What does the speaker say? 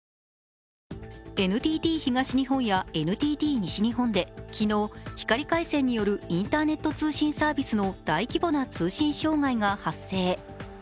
ＮＴＴ東日本やＮＴＴ西日本で昨日、光回線によるインターネット通信回線の大規模な通信障害が発生。